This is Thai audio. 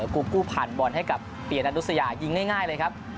กูกู้ผ่านบอลให้กับปียนุษยายิงง่ายเลยครับ